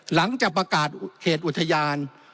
หลังจากประกาศเขตอุทยาน